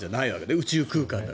宇宙空間だから。